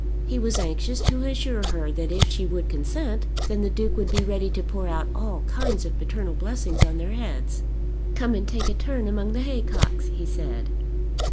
He was anxious to assure her that if she would consent, then the Duke would be ready to pour out all kinds of paternal blessings on their heads. "Come and take a turn among the haycocks," he said.